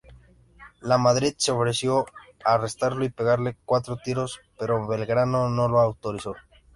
Lamadrid se ofreció a arrestarlo y "pegarle cuatro tiros", pero Belgrano no lo autorizó.